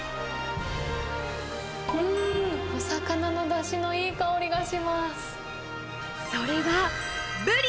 うーん！お魚のだしのいい香それがブリ。